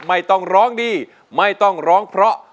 ไม่ต้องร้องดีไม่ต้องร้องเพราะ